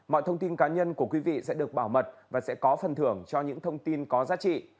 mọi thông tin cá nhân của quý vị sẽ được bảo mật và sẽ có phần thưởng cho những thông tin có giá trị